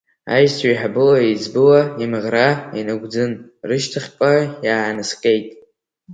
Аишьцәа еиҳабы-еиҵбыла имаӷра инагәӡын, рышьҭахьҟа иаанаскьеит.